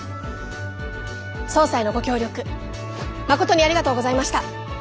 捜査へのご協力まことにありがとうございました！